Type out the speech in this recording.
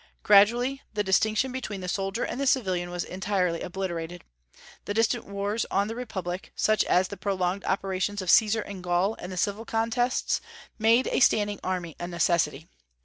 Gradually the distinction between the soldier and the civilian was entirely obliterated. The distant wars of the republic such as the prolonged operations of Caesar in Gaul, and the civil contests made a standing army a necessity.